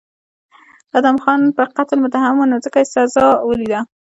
ادهم خان په قتل متهم و نو ځکه یې سزا ولیده.